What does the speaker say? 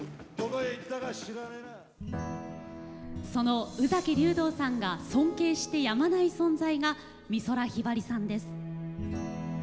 その宇崎竜童さんが尊敬してやまない存在が美空ひばりさんです。